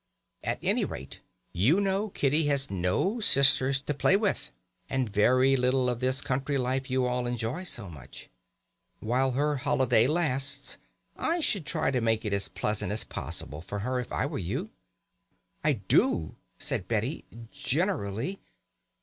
At any rate you know Kitty has no sisters to play with, and very little of this country life you all enjoy so much. While her holiday lasts I should try to make it as pleasant as possible for her, if I were you." "I do," said Betty, "generally.